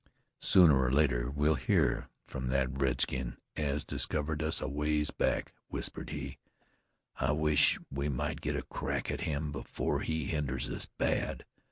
"Sooner or later we'll hear from that redskin as discovered us a ways back," whispered he. "I wish we might get a crack at him afore he hinders us bad.